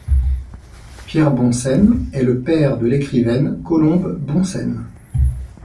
Pierre Boncenne est le père de l'écrivaine Colombe Boncenne.